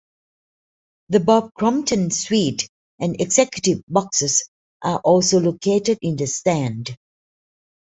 The Bob Crompton suite and Executive Boxes are also located in the stand.